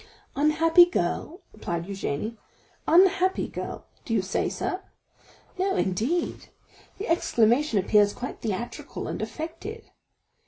"Unhappy girl," replied Eugénie, "unhappy girl, do you say, sir? No, indeed; the exclamation appears quite theatrical and affected.